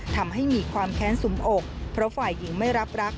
ทำให้มีความแค้นสุมอกเพราะฝ่ายหญิงไม่รับรัก